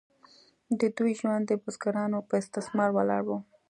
د دوی ژوند د بزګرانو په استثمار ولاړ و.